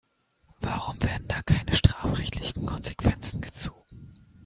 Warum werden da keine strafrechtlichen Konsequenzen gezogen?